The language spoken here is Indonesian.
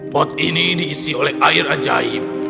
pot ini diisi oleh air ajaib